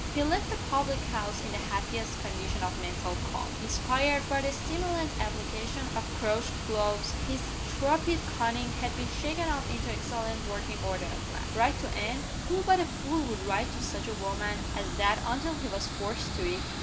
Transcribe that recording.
He left the public house in the happiest condition of mental calm. Inspired by the stimulant application of Crouch's gloves, his torpid cunning had been shaken up into excellent working order at last. Write to Anne? Who but a fool would write to such a woman as that until he was forced to it?